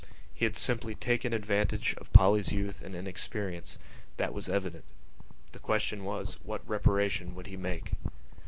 He had simply taken advantage of Polly's youth and inexperience: that was evident. The question was: What reparation would he make?